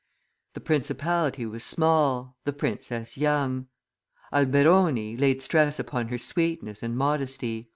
The principality was small, the princess young; Alberoni laid stress upon her sweetness and modesty.